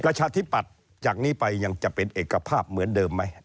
ประชาธิปัตย์จากนี้ไปยังจะเป็นเอกภาพเหมือนเดิมไหม